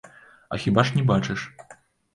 А хіба ж не бачыш?